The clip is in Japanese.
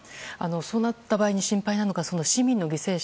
そうなった場合に心配なのが市民の犠牲者。